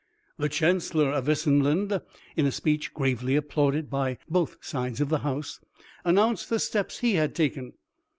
The Chancellor of Essenland, in a speech gravely applauded by both sides of the House, announced the steps he had taken.